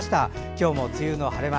今日も梅雨の晴れ間